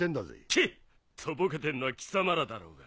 ケッ！とぼけてんのは貴様らだろうが。